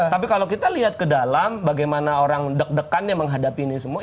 tapi kalau kita lihat ke dalam bagaimana orang deg degannya menghadapi ini semua